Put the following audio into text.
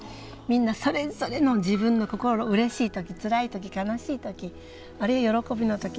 みんなそれぞれの自分の心うれしい時つらい時悲しい時あるいは喜びの時